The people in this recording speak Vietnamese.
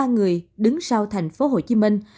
một mươi ba người đứng sau thành phố hồ chí minh